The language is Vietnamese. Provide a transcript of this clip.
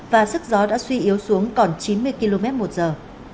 và sức gió đã suy yếu xuống còn chín mươi km một giờ